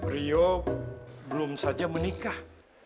rio belum saja menikah